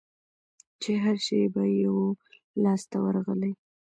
چي هرشی به یې وو لاس ته ورغلی